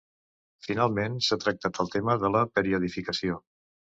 Finalment, s’ha tractat el tema de la periodificació.